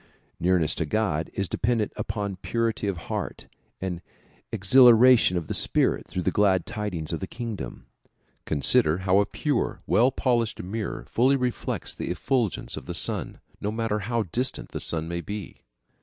Nearness to God is dependent upon purity of the heart and exhilaration of the spirit through the glad tidings of the kingdom. Consider how a pure, well polished mirror fully reflects the effulgence of the sun, no matter how distant the sun may be.